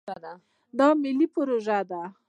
دا ملي پروژه ده.